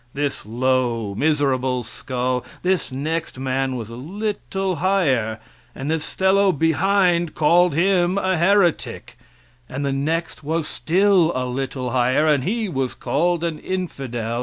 This low, miserable skull this next man was a little higher, and this fellow behind called him a heretic, and the next was still a little higher, and he was called an infidel.